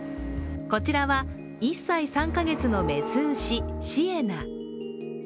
こちらは１歳３か月の雌牛、しえな。